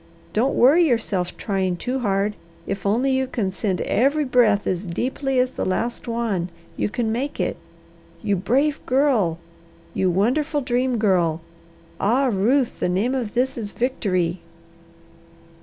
Don't worry yourself trying too hard, if only you can send every breath as deeply as the last one, you can make it. You brave girl! You wonderful Dream Girl! Ah, Ruth, the name of this is victory!"